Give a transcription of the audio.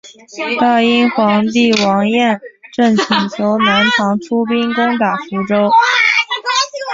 大殷皇帝王延政请求南唐出兵攻打福州。